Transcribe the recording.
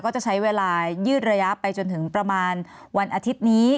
จะใช้เวลายืดระยะไปจนถึงประมาณวันอาทิตย์นี้